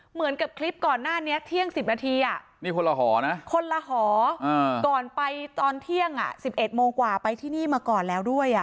เหมือนกับคลิปก่อนหน้านี้เที่ยง๑๐นาทีนี่คนละหอนะคนละหอก่อนไปตอนเที่ยง๑๑โมงกว่าไปที่นี่มาก่อนแล้วด้วย